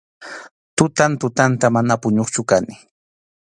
Tutan tutanta, mana puñuqchu kani.